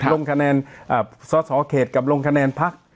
ลงคะแนนสสเขตกับลงคะแนนพัก